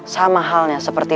sama halnya seperti